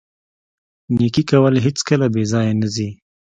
نیکي کول هیڅکله بې ځایه نه ځي.